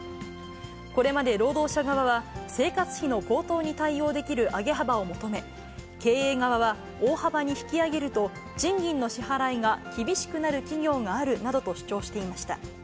これまで労働者側は、生活費の高騰に対応できる上げ幅を求め、経営側は、大幅に引き上げると、賃金の支払いが厳しくなる企業があるなどと主張していました。